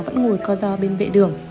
vẫn ngồi co do bên vệ đường